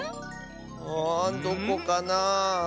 あどこかな？